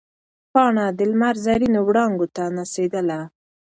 پاڼه د لمر زرینو وړانګو ته نڅېدله.